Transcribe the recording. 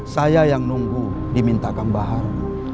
saya yang nunggu diminta kang bahar